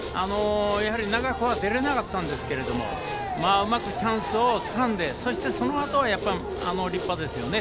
長くは出られなかったんですがうまくチャンスをつかんでそしてそのあと立派ですよね。